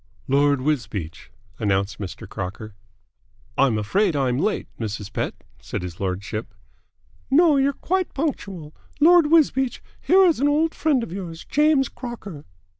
"Lord Wisbeach," announced Mr. Crocker. "I'm afraid I'm late, Mrs. Pett," said his lordship. "No. You're quite punctual. Lord Wisbeach, here is an old friend of yours, James Crocker."